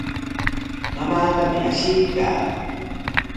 Mamaatami ashiykaa.